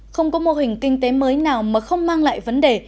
không có mô hình kinh tế mới nào mà không mang lại vấn đề